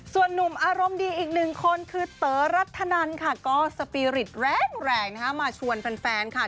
ส่วนนุ่มอารมณ์ดีอีกหนึ่งคนคือเต๋อรัฐนันค่ะก็สปีริตแรงนะคะมาชวนแฟนค่ะ